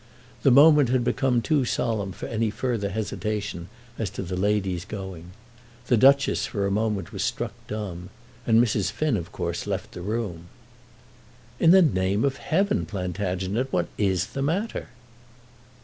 The moment had become too solemn for any further hesitation as to the lady's going. The Duchess for a moment was struck dumb, and Mrs. Finn, of course, left the room. "In the name of heaven, Plantagenet, what is the matter?"